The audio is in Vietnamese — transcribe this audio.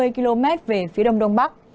hai trăm năm mươi km về phía đông đông bắc